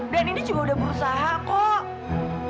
dan indi juga udah berusaha kok